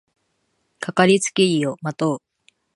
かかりつけ医を持とう